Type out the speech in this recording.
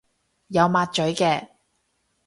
有抹嘴嘅